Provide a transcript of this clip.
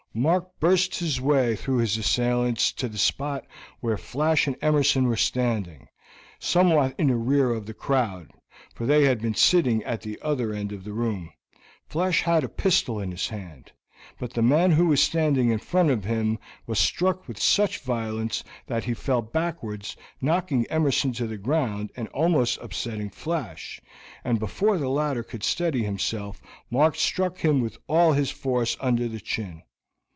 Mark burst his way through his assailants to the spot where Flash and Emerson were standing, somewhat in the rear of the crowd, for they had been sitting at the other end of the room. Flash had a pistol in his hand, but the man who was standing in front of him was struck with such violence that he fell backwards, knocking Emerson to the ground and almost upsetting Flash, and before the latter could steady himself Mark struck him with all his force under the chin.